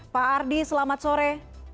pak ardi selamat sore